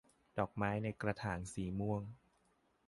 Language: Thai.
ดอกไม้ในกระถางสีม่วง